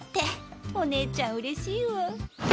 お姉ちゃんうれしいわ。